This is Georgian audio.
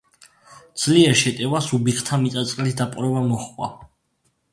ძლიერ შეტევას უბიხთა მიწა-წყლის დაპყრობა მოჰყვა.